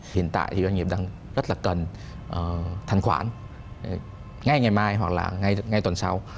hiện tại thì doanh nghiệp đang rất là cần thăng khoản ngay ngày mai hoặc là ngay tuần sau